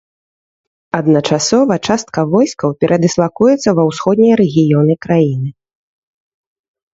Адначасова частка войскаў перадыслакуецца ва ўсходнія рэгіёны краіны.